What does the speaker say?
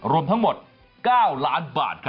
รวมทั้งหมด๙ล้านบาท